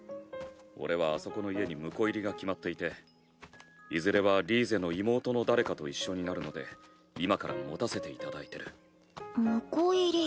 俺はあそこの家に婿入りが決まっていていずれはリーゼの妹の誰かと一緒になるので今から持たせていただいてる。